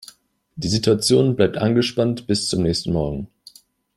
Die Situation bleibt angespannt bis zum nächsten Morgen.